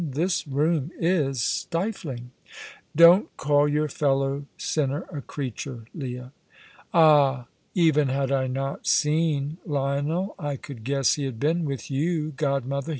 This room is stifling." "Don't call your fellow sinner a creature, Leah." "Ah! Even had I not seen Lionel I could guess he had been with you, godmother.